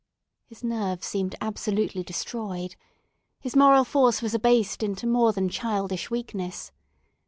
His nerve seemed absolutely destroyed. His moral force was abased into more than childish weakness.